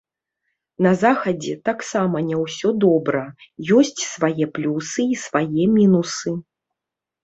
На захадзе таксама не ўсё добра, ёсць свае плюсы і свае мінусы.